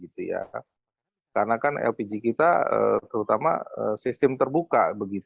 karena kan lpg kita terutama sistem terbuka